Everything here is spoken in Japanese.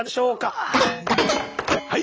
はい。